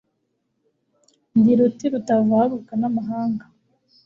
Ndi Ruti rutavaruka n' amahanga.